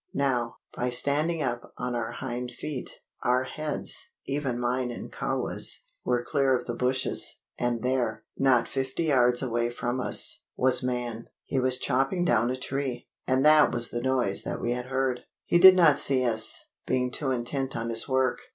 Now, by standing up on our hind feet, our heads even mine and Kahwa's were clear of the bushes, and there, not fifty yards away from us, was man. He was chopping down a tree, and that was the noise that we had heard. He did not see us, being too intent on his work.